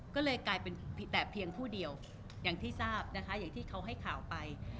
ก็เลยกลายเป็นแต่เพียงผู้เดียวอย่างที่ทราบนะคะอย่างที่เขาให้ข่าวไป